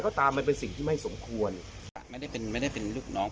ก็ตามมันเป็นสิ่งที่ไม่สมควรจะไม่ได้เป็นไม่ได้เป็นลูกน้อง